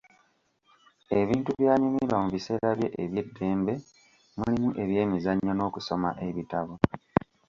Ebintu by'anyumirwa mu biseera bye eby'eddembe mulimu ebyemizannyo n'okusoma ebitabo